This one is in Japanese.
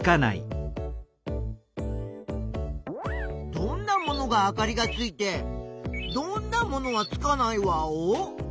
どんなものがあかりがついてどんなものはつかないワオ？